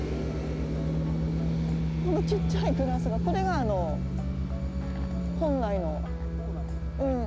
このちっちゃいグラスがこれがあの本来のうん。